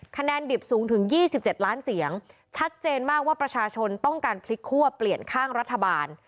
คะแนนดิบสูงถึง๒๗ล้านเสียงชัดเจนมากว่าประชาชนต้องการพลิกคั่วเปลี่ยนข้างรัฐบาล